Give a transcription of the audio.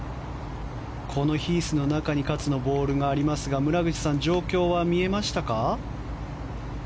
このヒースの中に勝のボールがありますが村口さん、状況は見えましたか？